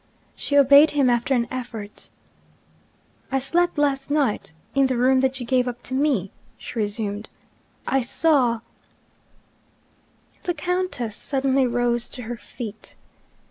She obeyed him after an effort. 'I slept last night in the room that you gave up to me,' she resumed. 'I saw ' The Countess suddenly rose to her feet.